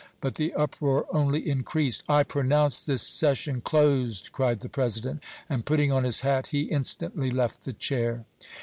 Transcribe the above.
But the uproar only increased. "I pronounce this session closed!" cried the President, and putting on his hat he instantly left the chair.